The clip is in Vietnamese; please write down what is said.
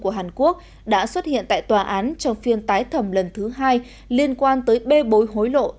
của hàn quốc đã xuất hiện tại tòa án trong phiên tái thẩm lần thứ hai liên quan tới bê bối hối lộ